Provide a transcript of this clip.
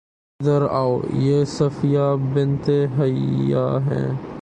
ادھر آؤ، یہ صفیہ بنت حیی ہیں